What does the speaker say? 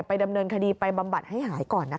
ดำเนินคดีไปบำบัดให้หายก่อนนะคะ